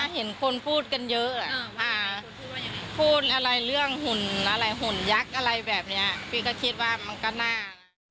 เห็นคนพูดกันเยอะพูดอะไรเรื่องหุ่นอะไรหุ่นยักษ์อะไรแบบนี้พี่ก็คิดว่ามันก็น่า